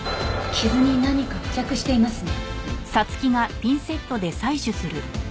傷に何か付着していますね。